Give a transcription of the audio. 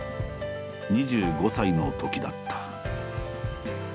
２５歳のときだった。